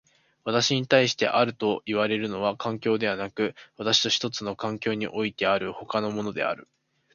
私に対してあるといわれるのは環境でなく、私と一つの環境においてある他のものである。